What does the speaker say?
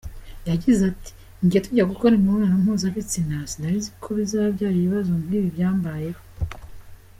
Yagize ati “Njye tujya gukora imibonanno mpuzabitsina sinarinzi ko bizabyara ibibazo nk’ibi byambayeho”.